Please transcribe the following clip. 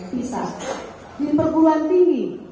visa di perguruan tinggi